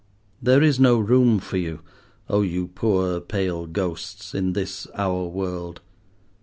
There is no room for you, oh you poor pale ghosts, in this our world.